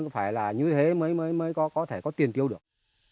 phải như thế mới có tiền tiêu được